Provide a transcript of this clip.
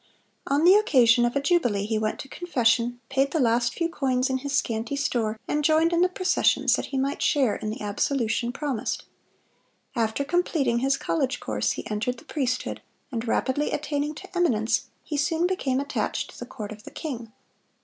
On the occasion of a jubilee, he went to confession, paid the last few coins in his scanty store, and joined in the processions, that he might share in the absolution promised. After completing his college course, he entered the priesthood, and rapidly attaining to eminence, he soon became attached to the court of the king.